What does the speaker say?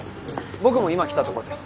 僕も今来たとこです。